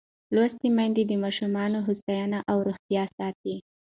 لوستې میندې د ماشوم هوساینه او روغتیا ساتي.